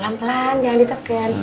pelan pelan jangan diteken